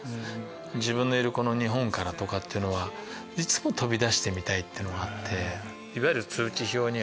自分のいるこの日本からとかっていうのはいつも飛び出してみたい！っていうのがあって。